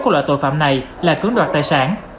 của loại tội phạm này là cưỡng đoạt tài sản